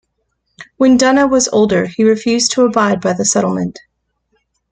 When Donough was older, he refused to abide by the settlement.